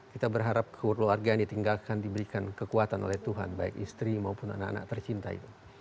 kita berharap keluarga yang ditinggalkan diberikan kekuatan oleh tuhan baik istri maupun anak anak tercinta itu